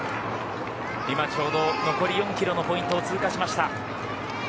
今、ちょうど残り４キロのポイントを通過しました。